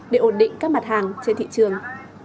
để ổn định các mặt hàng trên thị trường